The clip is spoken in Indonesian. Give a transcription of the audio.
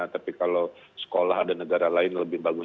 tapi kalau sekolah ada negara lain lebih bagus